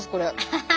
ハハハ！